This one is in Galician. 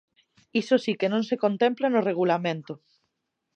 Iso si que non se contempla no Regulamento.